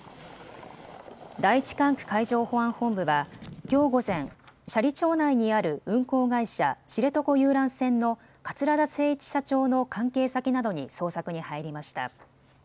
第１管区海上保安本部はきょう午前、斜里町内にある運航会社、知床遊覧船の桂田精一社長の関係先などに捜索に入りました。